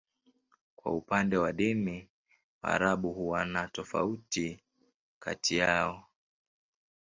Kwa upande wa dini, Waarabu huwa na tofauti kati yao.